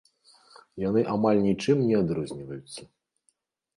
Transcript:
Яны амаль нічым не адрозніваюцца.